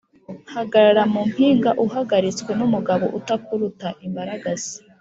Hagarara mu mpinga uhagaritswe n'umugabo utakuruta.-Imbaragasa.